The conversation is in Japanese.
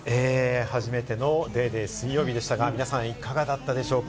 初めての『ＤａｙＤａｙ．』水曜日でしたが皆さん、いかがだったでしょうか？